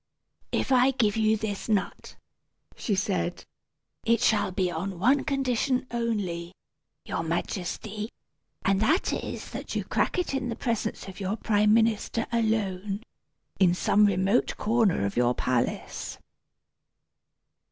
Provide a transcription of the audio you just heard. "If I give you this nut," she said, "it shall be on one condition, only, your Majesty; and that is, that you crack it in the presence of your prime minister alone, in some remote corner of your palace."